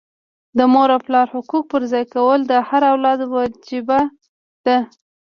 د مور او پلار حقوق پرځای کول د هر اولاد وجیبه ده.